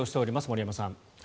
森山さん。